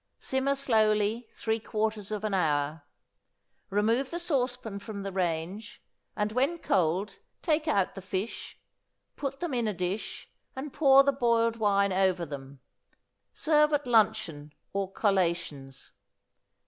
Simmer slowly three quarters of an hour; remove the saucepan from the range, and when cold take out the fish, put them in a dish, and pour the boiled wine over them. Serve at luncheon or collations.